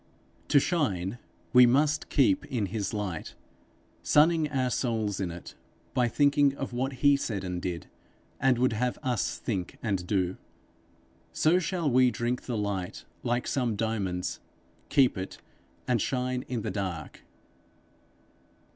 To shine, we must keep in his light, sunning our souls in it by thinking of what he said and did, and would have us think and do. So shall we drink the light like some diamonds, keep it, and shine in the dark.